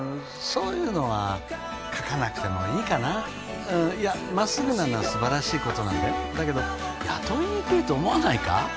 そういうのは書かなくてもいいかなうんいやまっすぐなのは素晴らしいことなんだよだけど雇いにくいと思わないか？